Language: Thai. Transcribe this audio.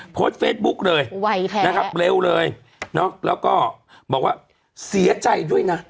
โพสต์เฟซบุ๊กเลยนะครับเร็วเลยเนอะแล้วก็บอกว่าเสียใจด้วยนะ